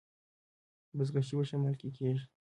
بزکشي په شمال کې کیږي